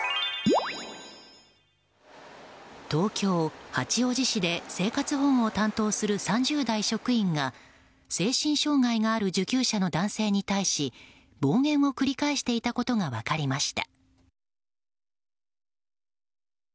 東京・八王子市で生活保護を担当する３０代職員が、精神障害がある受給者の男性に対し暴言を繰り返していたことが分かりました。